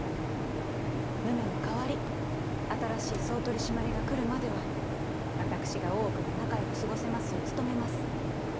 武女の代わり新しい総取締が来るまでは私が大奥が仲よく過ごせますよう努めます。